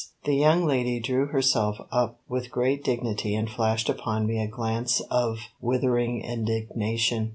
The young lady drew herself up with great dignity and flashed upon me a glance of withering indignation.